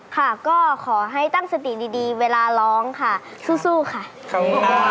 ค่ะก็ขอให้ตั้งสติดีเวลาร้องค่ะสู้ค่ะสู้